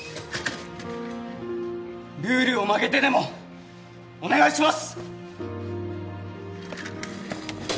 ルールを曲げてでもお願いします！